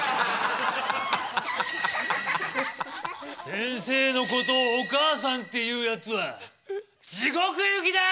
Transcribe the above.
先生のことを「お母さん」って言うやつはじごく行きだ！